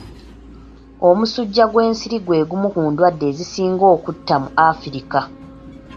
Omusujja gw'ensiri gwe gumu ku ndwadde ezisinga okutta mu Africa.